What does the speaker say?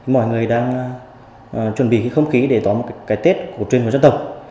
mọi người đang chuẩn bị không khí để tỏa một cái tết của truyền hồn dân tộc